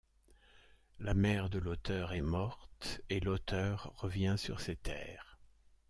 La mère de l’auteur est morte et l’auteur revient sur ses terres.